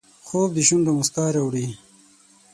خوب د شونډو مسکا راوړي